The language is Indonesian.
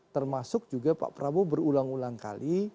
termasuk juga pak prabowo berulang ulang kali